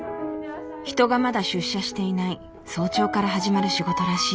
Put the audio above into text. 人がまだ出社していない早朝から始まる仕事らしい。